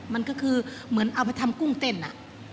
มันก็คือเหมือนเอาไปทำกุ้งเต้นอ่ะ